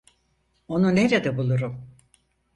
Onu nerede bulurum?